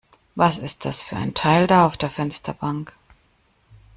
Was ist das für ein Teil da auf der Fensterbank?